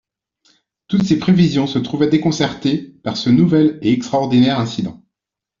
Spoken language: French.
Toutes ses prévisions se trouvaient déconcertées par ce nouvel et extraordinaire incident.